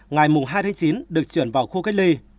ngày hai chín được chuyển vào khu cách ly